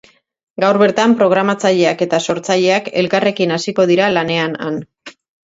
Gaur bertan, programatzaileak eta sortzaileak elkarrekin hasiko dira lanean han.